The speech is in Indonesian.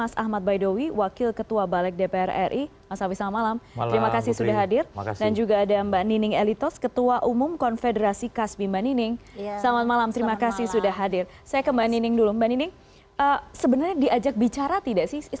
saya ke mbak nining dulu mbak nining sebenarnya diajak bicara tidak sih